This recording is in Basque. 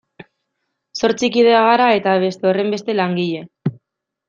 Zortzi kide gara eta beste horrenbeste langile.